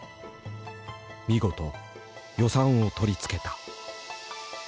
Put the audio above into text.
見事予算を取りつけた。